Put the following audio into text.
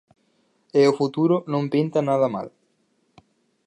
E o futuro non pinta nada mal.